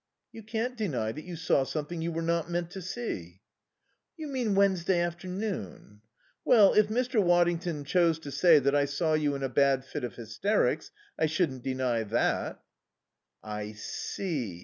"You can't deny that you saw something you were not meant to see." "You mean Wednesday afternoon? Well, if Mr. Waddington chose to say that I saw you in a bad fit of hysterics I shouldn't deny that." "I see.